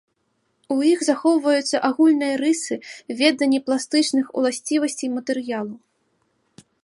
У іх захоўваюцца агульныя рысы, веданне пластычных уласцівасцей матэрыялу.